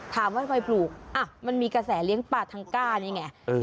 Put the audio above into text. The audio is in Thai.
ถามว่าทำไมปลูกอ่ะมันมีกระแสเลี้ยงปลาทางกาลอย่างเนี่ย